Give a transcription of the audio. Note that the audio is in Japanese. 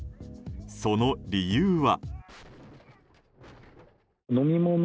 その理由は。